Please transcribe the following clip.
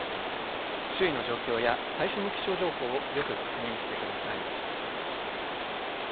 周囲の状況や最新の気象情報をよく確認してください。